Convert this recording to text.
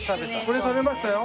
これ食べましたよ。